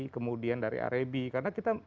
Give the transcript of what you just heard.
kemudian dari rb karena kita